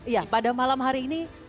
ya pada malam hari ini